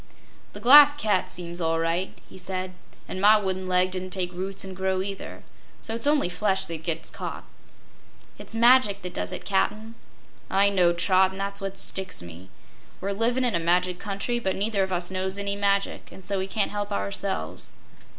"The Glass Cat seems all right," he said, "an' my wooden leg didn't take roots and grow, either. So it's only flesh that gets caught." "It's magic that does it, Cap'n!" "I know, Trot, and that's what sticks me. We're livin' in a magic country, but neither of us knows any magic an' so we can't help ourselves."